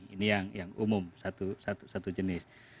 ini yang umum satu jenis